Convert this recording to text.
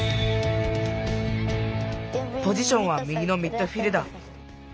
ポジションは右のミッドフィルダー。